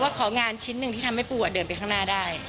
ของานชิ้นหนึ่งที่ทำให้ปูเดินไปข้างหน้าได้